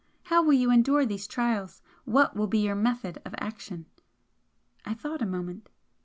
How will you endure these trials? what will be your method of action?" I thought a moment.